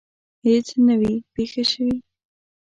هیڅ نه وي پېښه شوې.